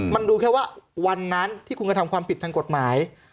มันดูแค่ว่าวันนั้นที่คุณกระทำความผิดทางกฎหมาย